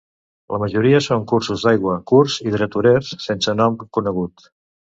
La majoria són cursos d'aigua curts i dreturers, sense nom conegut.